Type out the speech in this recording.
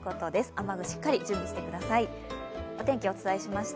雨具、しっかり準備してください。